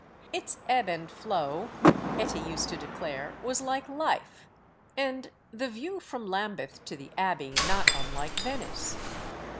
Its ebb and flow, Etty used to declare, was like life, and "the view from Lambeth to the Abbey not unlike Venice."